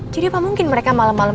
jadi apa mungkin mereka malem malem